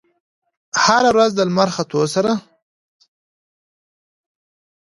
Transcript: هره ورځ د لمر ختو سره